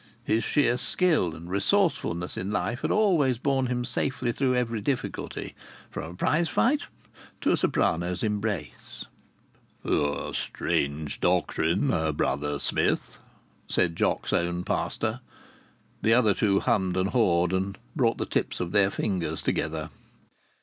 His sheer skill and resourcefulness in life had always borne him safely through every difficulty from a prize fight to a soprano's embrace. "A strange doctrine, Brother Smith!" said Jock's own pastor. The other two hummed and hawed, and brought the tips of their fingers together.